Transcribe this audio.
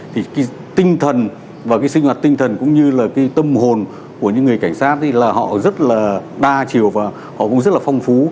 thì cái tinh thần và cái sinh hoạt tinh thần cũng như là cái tâm hồn của những người cảnh sát thì là họ rất là đa chiều và họ cũng rất là phong phú